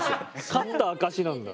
勝った証しなんだ。